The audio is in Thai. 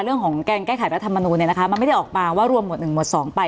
เรื่องของแก้ไขปลัสทรรมนูญเนี่ยนะคะมันไม่ได้ออกมาว่ารวมหมดนึงหมดสองไป